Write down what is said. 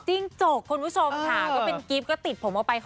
จิ้งจกคุณผู้ชมค่ะก็เป็นกิฟต์ก็ติดผมเอาไป